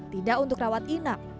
tidak untuk rawat inap